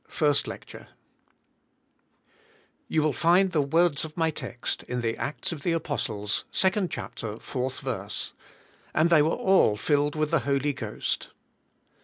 73 JBe f tlle& mm tbe Spirit You will find the words of my text in the Acts of the Apostles, second chapter, fourth verse: "And they were all filled with the Holy Ghost."